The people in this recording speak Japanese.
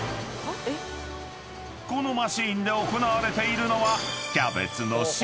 ［このマシンで行われているのは］